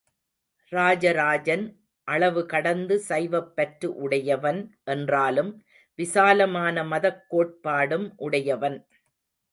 ராஜராஜன் அளவு கடந்து சைவப்பற்று உடையவன் என்றாலும் விசாலமான மதக் கோட்பாடும் உடையவன்.